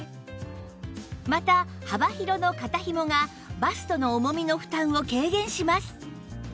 また幅広の肩ひもがバストの重みの負担を軽減します